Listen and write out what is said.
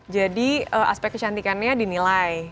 jadi aspek kesantikannya dinilai